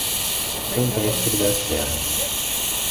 Campestre da Serra